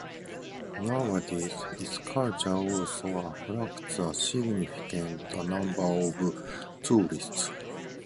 Nowadays, its culture also attracts a significant number of tourists.